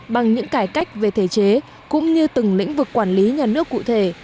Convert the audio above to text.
bằng những cải cách về thể chế cũng như từng lĩnh vực quản lý nhà nước cụ thể